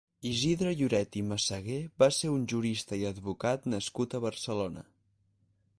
Isidre Lloret i Massaguer va ser un jurista i advocat nascut a Barcelona.